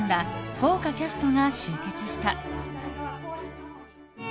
豪華キャストが集結した。